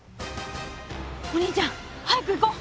お兄ちゃん早く行こう！